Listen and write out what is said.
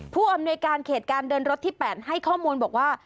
ผู้อำนวยการเขตการเดินรถที่๘ให้ข้อมูลบอกว่า